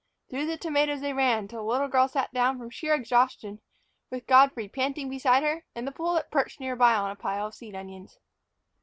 Through the tomatoes they ran, till the little girl sat down from sheer exhaustion, with Godfrey panting beside her and the pullet perched near by on a pile of seed onions.